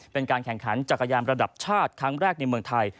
เป็นการแข่งขันจักรยานระดับชาติครั้งแรกในเมืองไทย